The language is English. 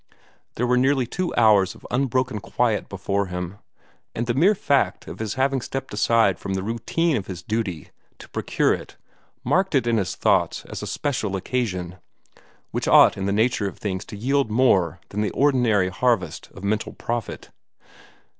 There were nearly two hours of unbroken quiet before him; and the mere fact of his having stepped aside from the routine of his duty to procure it; marked it in his thoughts as a special occasion, which ought in the nature of things to yield more than the ordinary harvest of mental profit.